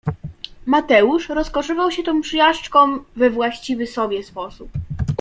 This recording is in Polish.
Mateusz rozkoszował się tą przejażdżką we właściwy sobie sposób.